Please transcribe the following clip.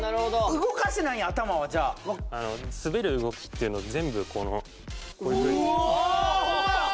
動かしてないんや頭はじゃあ滑る動きっていうの全部このこういうふうに・うわ！